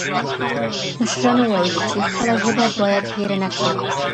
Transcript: مشرانو ويلي چي خپله ژبه بايد هېره نه کړو.